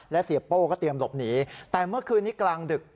และเสียโป้ก็เตรียมหลบหนีแต่เมื่อคืนนี้กลางดึก